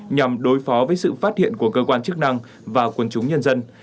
nhằm đối phó với sự phát hiện của cơ quan chức năng và quân chúng nhân dân